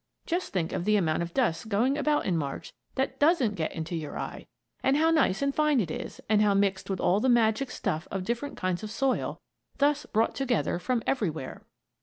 Just think of the amount of dust going about in March that doesn't get into your eye; and how nice and fine it is, and how mixed with all the magic stuff of different kinds of soil, thus brought together from everywhere.